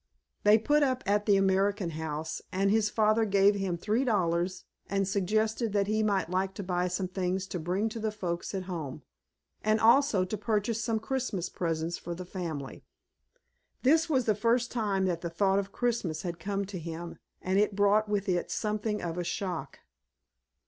They put up at the American House, and his father gave him three dollars, and suggested that he might like to buy some things to bring to the folks at home, and also to purchase some Christmas presents for the family. This was the first time that the thought of Christmas had come to him, and it brought with it something of a shock.